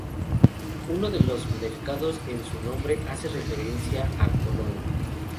Uno de los mercados en su nombre hace referencia a Kowloon.